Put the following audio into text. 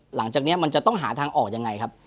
หลังจากนี้มันจะต้องหาทางออกยังไงครับ